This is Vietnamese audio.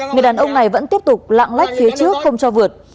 người đàn ông này vẫn tiếp tục lạng lách phía trước không cho vượt